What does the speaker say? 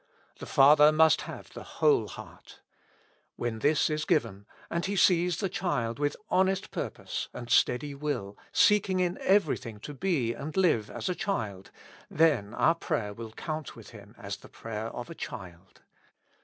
The Father must have the wholQ heart. When this js given, and He sees the child with honest purpose and steady will seeking in every thing to be and live as a child, then our prayer will count with Him as the prayer of a child.